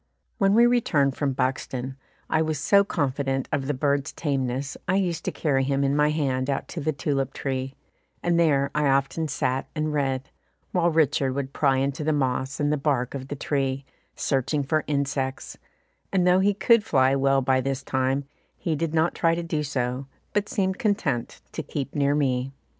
When we returned from Buxton, I was so confident of the bird's tameness I used to carry him in my hand out to the tulip tree, and there I often sat and read, while Richard would pry into the moss and the bark of the tree, searching for insects, and though he could fly well by this time, he did not try to do so, but seemed content to keep near me.